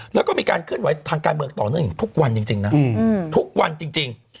แล้วก็มีการเคลื่อนไหวทางการเมืองต่อเนื่องถึงทุกวันจริง